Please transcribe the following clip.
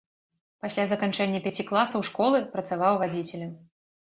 Пасля заканчэння пяці класаў школы працаваў вадзіцелем.